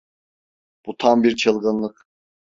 Bu tam bir çılgınlık.